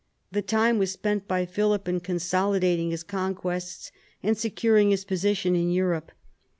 The time was spent by Philip in consolidating his conquests and securing his position in Europe.